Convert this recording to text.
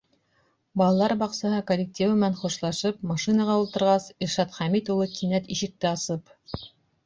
Балалар баҡсаһы коллективы менән хушлашып, машинаға ултырғас, Илшат Хәмит улы кинәт ишекте асып: